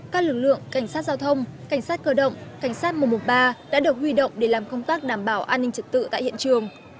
các lực lượng cảnh sát giao thông cảnh sát cơ động cảnh sát một trăm một mươi ba đã được huy động để làm công tác đảm bảo an ninh trật tự tại hiện trường